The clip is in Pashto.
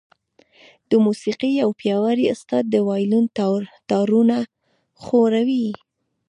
د موسيقۍ يو پياوړی استاد د وايلون تارونه ښوروي.